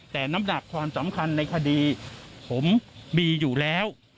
แต่น้ำหนักความสำคัญในคดีผมมีอยู่แล้ว